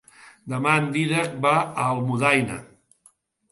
Demà en Dídac va a Almudaina.